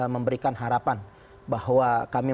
memberikan harapan bahwa kami